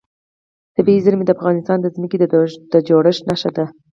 طبیعي زیرمې د افغانستان د ځمکې د جوړښت نښه ده.